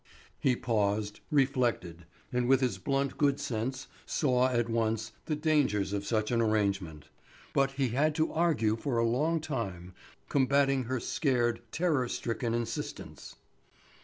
He paused, reflected, and with his blunt good sense saw at once the dangers of such an arrangement. But he had to argue for a long time, combating her scared, terror stricken insistence.